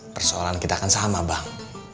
persoalan kita akan sama bang